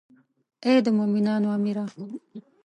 ای د مومنانو امیره.